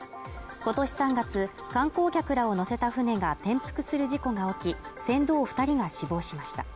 今年３月観光客らを乗せた船が転覆する事故が起き、船頭２人が死亡しました。